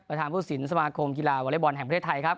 ทางผู้สินสมาคมกีฬาวอเล็กบอลแห่งประเทศไทยครับ